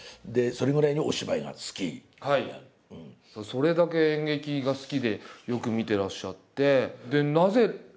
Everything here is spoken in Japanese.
それだけ演劇が好きでよく見てらっしゃって。